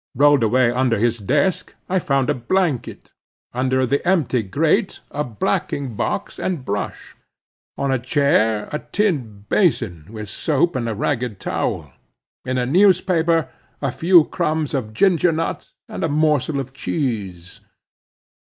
Rolled away under his desk, I found a blanket; under the empty grate, a blacking box and brush; on a chair, a tin basin, with soap and a ragged towel; in a newspaper a few crumbs of ginger nuts and a morsel of cheese.